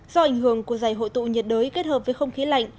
do ảnh hưởng của giải hội tụ nhiệt đới kết hợp với không khí lạnh